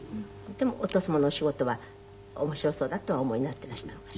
でもお父様のお仕事は面白そうだとはお思いになってらしたのかしら？